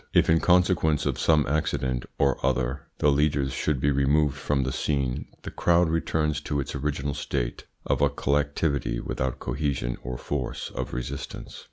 If in consequence of some accident or other the leaders should be removed from the scene the crowd returns to its original state of a collectivity without cohesion or force of resistance.